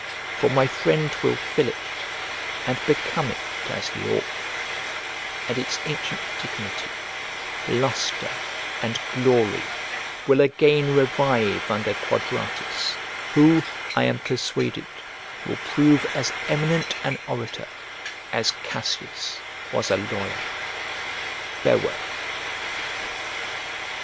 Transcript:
For my friend will fill it and become it as he ought, and its ancient dignity, lustre, and glory will again revive under Quadratus, who, I am persuaded, will prove as eminent an orator as Cassius was a lawyer. Farewell.